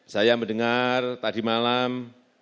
saya mendengar tadi malam